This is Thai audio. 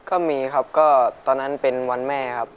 ก็มีครับก็ตอนนั้นเป็นวันแม่ครับ